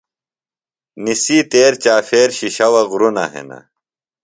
نِسی تیر چاپھیر شِشووہ غُرونہ ہنہ۔